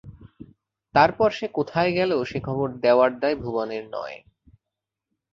তার পর সে কোথায় গেল সে খবর দেওয়ার দায় ভুবনের নয়।